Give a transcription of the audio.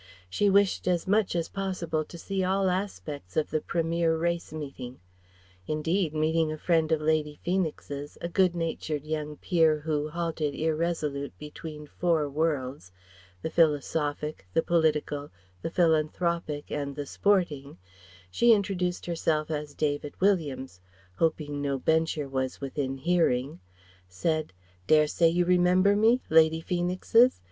She wished as much as possible to see all aspects of the premier race meeting. Indeed, meeting a friend of Lady Feenix's, a good natured young peer who halted irresolute between four worlds the philosophic, the political, the philanthropic, and the sporting, she introduced herself as "David Williams" hoping no Bencher was within hearing said "Dare say you remember me? Lady Feenix's?